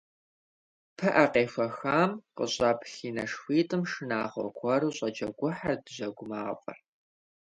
ПыӀэ къекъухам къыщӀэплъ и нэшхуитӀым шынагъуэ гуэру щӀэджэгухьырт жьэгу мафӀэр.